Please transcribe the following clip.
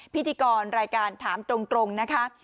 พิธีกรรายการถามตรงนะคะ